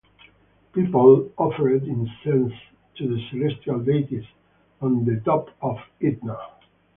People offered incense to the celestial deities on the top of Etna.